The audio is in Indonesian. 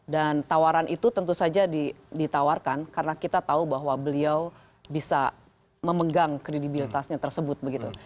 dan tawaran itu tentu saja ditawarkan karena kita tahu bahwa beliau bisa memegang kredibilitasnya tersebut begitu